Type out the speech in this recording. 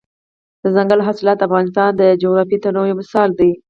دځنګل حاصلات د افغانستان د جغرافیوي تنوع یو مثال دی.